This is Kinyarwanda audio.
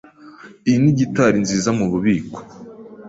Iyi ni gitari nziza mububiko.